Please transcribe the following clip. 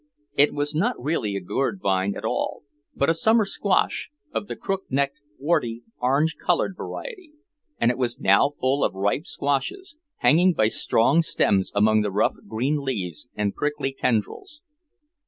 It was not really a gourd vine at all, but a summer squash, of the crook necked, warty, orange coloured variety, and it was now full of ripe squashes, hanging by strong stems among the rough green leaves and prickly tendrils.